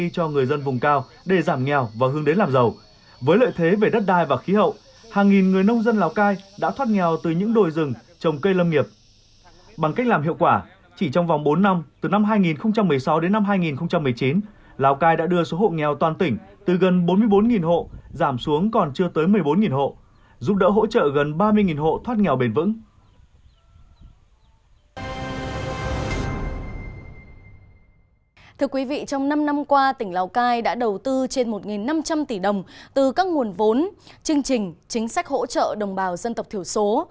thưa quý vị trong năm năm qua tỉnh lào cai đã đầu tư trên một năm trăm linh tỷ đồng từ các nguồn vốn chương trình chính sách hỗ trợ đồng bào dân tộc thiểu số